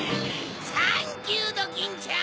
サンキュードキンちゃん。